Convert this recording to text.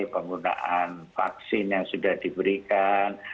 penggunaan vaksin yang sudah diberikan